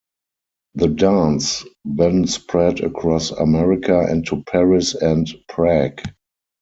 The dance then spread across America and to Paris and Prague.